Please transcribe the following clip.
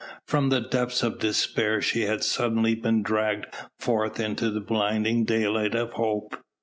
From the depths of despair she had suddenly been dragged forth into the blinding daylight of hope.